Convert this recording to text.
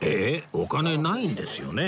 お金ないんですよね？